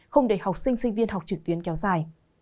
không để học sinh sinh viên học trực tuyến kéo dài